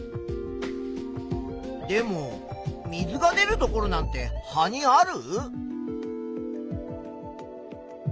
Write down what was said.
でも水が出るところなんて葉にある？